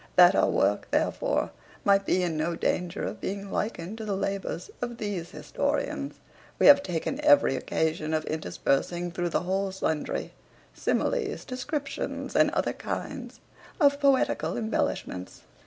That our work, therefore, might be in no danger of being likened to the labours of these historians, we have taken every occasion of interspersing through the whole sundry similes, descriptions, and other kind of poetical embellishments.